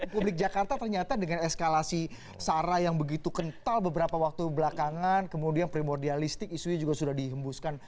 publik jakarta ternyata dengan eskalasi sara yang begitu kental beberapa waktu belakangan kemudian primordialistik isunya juga sudah dihembuskan